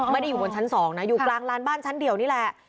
อยู่บนชั้น๒นะอยู่กลางลานบ้านชั้นเดียวนี่แหละ